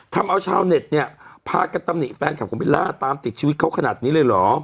ทำเอาชาวเน็ตเนี่ยพากันตำหนิแฟนคลับของเบลล่าตามติดชีวิตเขาขนาดนี้เลยเหรอ